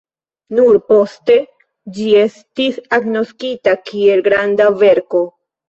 Nur poste ĝi estis agnoskita kiel granda verko.